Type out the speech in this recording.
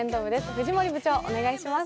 藤森部長、お願いします。